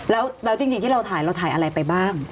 แล้วจริงที่เราถ่ายเราถ่ายอะไรไปบ้าง